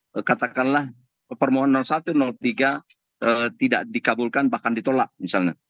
jadi katakanlah permohonan satu dan tiga tidak dikabulkan bahkan ditolak misalnya